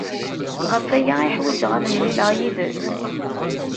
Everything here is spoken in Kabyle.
Ɣef waya i ḥwajeɣ ad mlileɣ yid-s?